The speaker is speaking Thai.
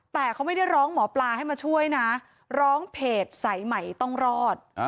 แต่เขาไม่ได้ร้องหมอปลาให้มาช่วยนะร้องเพจสายใหม่ต้องรอด